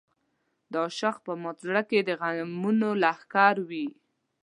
د عاشق په مات زړه کې د غمونو لښکر وي.